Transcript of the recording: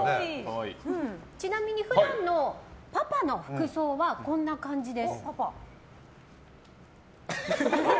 ちなみに普段のパパの服装はこんな感じです。